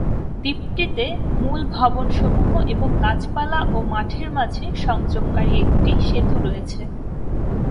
দ্বীপটিতে মুল ভবন সমূহ এবং গাছপালা ও মাঠের মাঝে সংযোগকারী একটি সেতু রয়েছে।